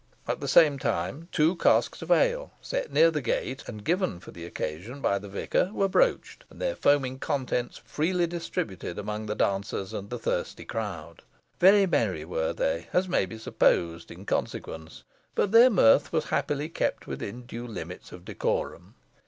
At the same time, two casks of ale set near the gate, and given for the occasion by the vicar, were broached, and their foaming contents freely distributed among the dancers and the thirsty crowd. Very merry were they, as may be supposed, in consequence, but their mirth was happily kept within due limits of decorum.